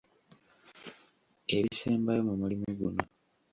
Ebisembayo mu mulimu guno.